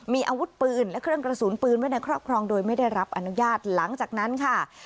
มีอาวุธปืนและเครื่องกระสุนปืนไว้ในครอบครองโดยไม่ได้รับอนุญาตหลังจากนั้นค่ะ